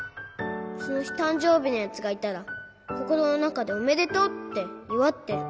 そのひたんじょうびのやつがいたらココロのなかでおめでとうっていわってる。